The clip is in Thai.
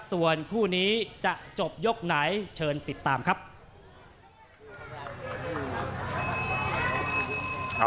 ยังเหลือคู่มวยในรายการ